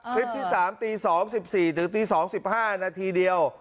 คลิปที่๓ตี๒๑๔ถึงตี๒๕นาทีเดียว